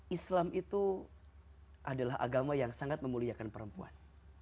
islam itu adalah agama yang sangat memuliakan perempuan